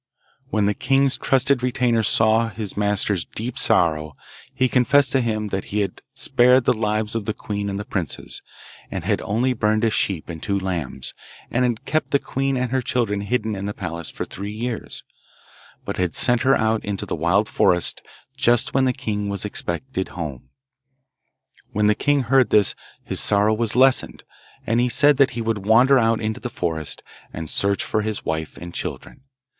When the king's trusted retainer saw his master's deep sorrow he confessed to him that he had spared the lives of the queen and the princes, and had only burned a sheep and two lambs, and had kept the queen and her children hidden in the palace for three years, but had sent her out into the wild forest just when the king was expected home. When the king heard this his sorrow was lessened, and he said that he would wander out into the forest and search for his wife and children.